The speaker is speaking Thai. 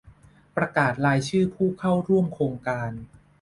ประกาศรายชื่อผู้เข้าร่วมโครงการ